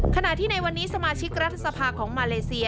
ขณะที่ในวันนี้สมาชิกรัฐสภาของมาเลเซีย